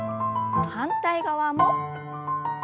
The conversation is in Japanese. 反対側も。